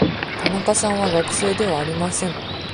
田中さんは学生ではありません。